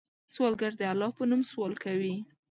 سوالګر د الله په نوم سوال کوي